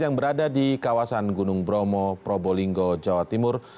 yang berada di kawasan gunung bromo probolinggo jawa timur